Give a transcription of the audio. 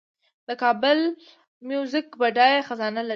د کابل میوزیم بډایه خزانه لري